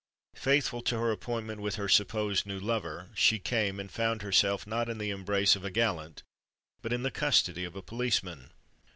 Faithful to her appointment with her supposed new lover, she came, and found herself, not in the embrace of a gallant, but in the custody of a policeman.